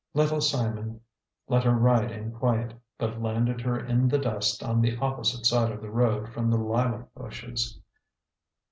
Little Simon let her ride in quiet, but landed her in the dust on the opposite side of the road from the lilac bushes.